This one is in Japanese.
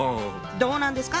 どうなんですか？